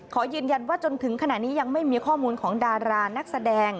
ขอยืนยันว่าจนถึงขณะนี้ยังไม่มีข้อมูลของดารานักแสดง